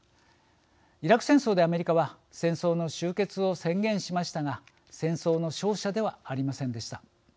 イラク戦争で、アメリカは戦争の終結を宣言しましたが戦争の勝者ではありませんでした。